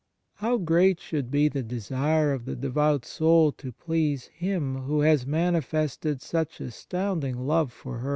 How great should be the desire of the devout soul to please Him who has mani fested such astounding love for her I 1 i Cor.